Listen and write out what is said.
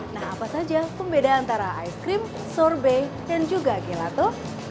nah apa saja pembeda antara ice cream sorbet dan juga gelato